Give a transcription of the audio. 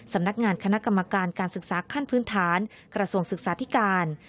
สำนักงานคณะกรรมการการศึกษาขั้นพื้นฐานกระทรวงศึกษาธิการ